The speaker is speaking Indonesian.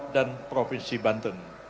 dan provinsi banten